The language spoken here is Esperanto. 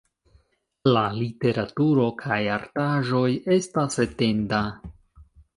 La literaturo kaj artaĵoj estas etenda.